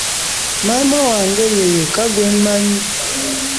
Maama wange ye yekka gwe mmanyi.